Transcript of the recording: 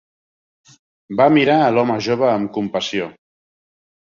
Va mirar a l'home jove amb compassió.